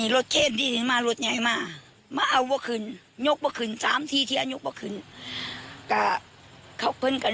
เราก็ให้ย่านี้จัด